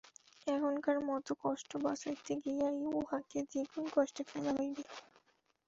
এখকার মতো কষ্ট বাঁচাইতে গিয়া উহাকে দ্বিগুণ কষ্টে ফেলা হইবে।